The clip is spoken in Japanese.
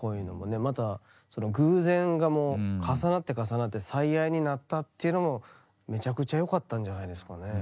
またその偶然がもう重なって重なって「最愛」になったっていうのもめちゃくちゃよかったんじゃないですかね。